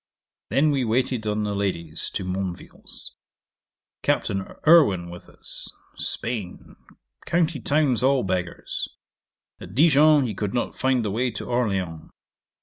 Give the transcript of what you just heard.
Then we waited on the ladies to Monville's. Captain Irwin with us. Spain. County towns all beggars. At Dijon he could not find the way to Orleans.